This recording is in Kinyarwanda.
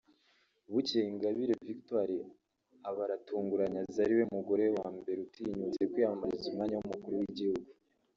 Bukeye Ingabire Victoire aba aratunguranye aza ariwe mugore wa mbere utinyutse kwiyamamariza umwanya w’umukuru w’igihugu